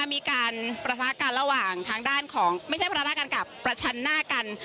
มีการประทะกันระหว่างทางด้านของไม่ใช่ประทะกันกับประชันหน้ากัน